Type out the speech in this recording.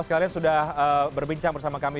sekalian sudah berbincang bersama kami